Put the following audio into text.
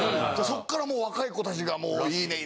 そっからもう若い子たちがもう「いいね」